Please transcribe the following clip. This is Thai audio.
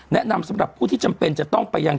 สำหรับผู้ที่จำเป็นจะต้องไปยัง